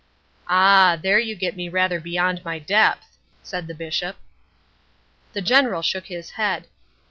"'Ah, there you get me rather beyond my depth,' said the Bishop. "The General shook his head.